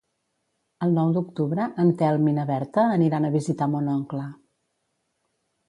El nou d'octubre en Telm i na Berta aniran a visitar mon oncle.